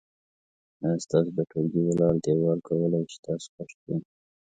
آیا ستاسو د ټولګي ولاړ دیوال کولی شي چې تاسو کش کړي؟